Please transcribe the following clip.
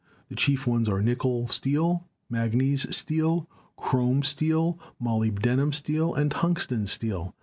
The chief ones are nickel steel, manganese steel, chrome steel, molybdenum steel and tungsten steel.